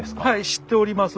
知っております。